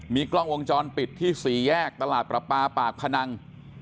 มีกล้องวงจรปิดที่๔แยกตลาดประปาปากพนัง